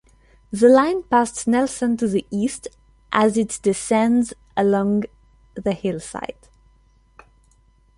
The line passed Nelson to the east as it descends along the hillside.